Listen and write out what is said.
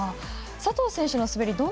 佐藤選手の滑り